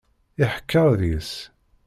Iḥekker deg-s.